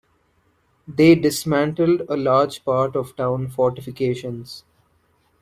They dismantled a large part of town fortifications.